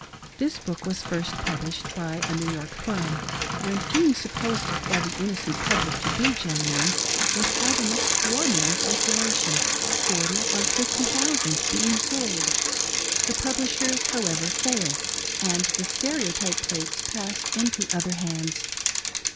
This book was first published by a New York firm, and being supposed by the innocent public to be genuine, it had an extraordinary circulation — ^forty or fifty thousand being sold. The publish ers, however, failed, and the stereotype plates passed into other hands.